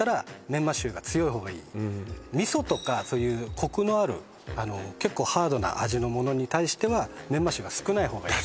味噌とかそういうコクのある結構ハードな味のものに対してはメンマ臭が少ない方がいい